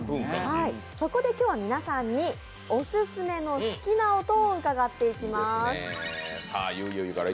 そこで今日は皆さんに、オススメの好きな音を伺っていきます。